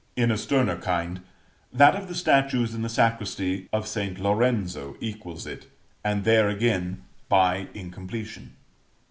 In a sterner kind, that of the statues in the sacristy of St. Lorenzo equals it, and there again by incompletion.